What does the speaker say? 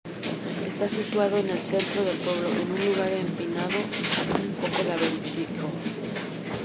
Está situado en el centro del pueblo, en un lugar empinado, un poco laberíntico.